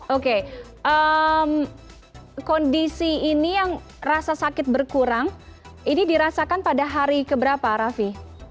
oke kondisi ini yang rasa sakit berkurang ini dirasakan pada hari keberapa raffi